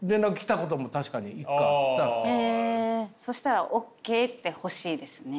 そしたら「オッケー」って欲しいですね。